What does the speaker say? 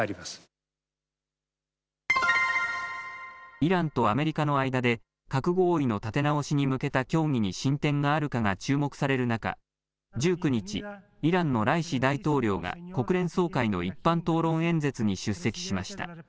イランとアメリカの間で核合意の立て直しに向けた協議に進展があるかが注目される中、１９日、イランのライシ大統領が国連総会の一般討論演説に出席しました。